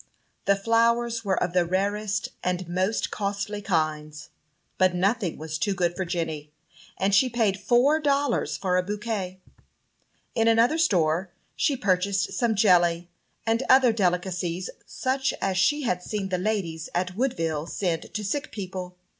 The flowers were of the rarest and most costly kinds; but nothing was too good for Jenny, and she paid four dollars for a bouquet. In another store she purchased some jelly and other delicacies such as she had seen the ladies at Woodville send to sick people.